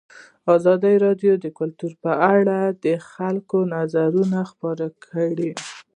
ازادي راډیو د کلتور په اړه د خلکو نظرونه خپاره کړي.